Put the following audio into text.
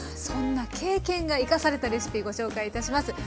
そんな経験が生かされたレシピご紹介いたします。